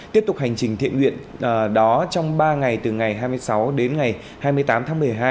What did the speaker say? tiếp tục hành trình thiện nguyện đó trong ba ngày từ ngày hai mươi sáu đến ngày hai mươi tám tháng một mươi hai